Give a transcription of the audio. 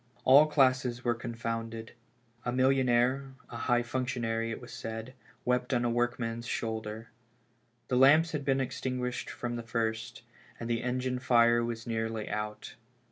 All classes were confounded. A millionaire, a high functionary, it was said, wept on a workman's shoulder. The lamps had been extinguished from the first, and the engine fire was nearly out.